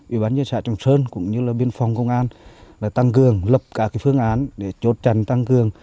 ủy bán nhân sản trường sơn cũng như biên phòng công an tăng cường lập cả phương án để chốt tránh tăng cường